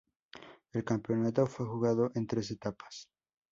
El campeonato fue jugado en tres etapas.